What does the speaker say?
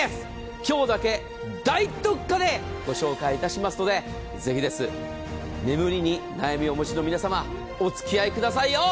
今日だけ大特価でご紹介しますので、ぜひです、眠りに悩みをお持ちの皆様、おつきあいくださいよ。